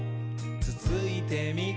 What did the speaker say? つついてみ？」